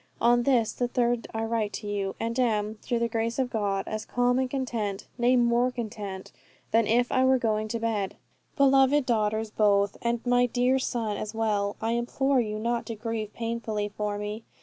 On this, the third, I write to you, and am, through the grace of God, as calm and content, nay more content than if I were going to bed. "Beloved daughters both, and my dear son as well, I implore you not to grieve painfully for me.